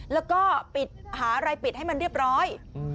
แล้วก็หารายปิดให้มันเรียบร้อย